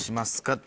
って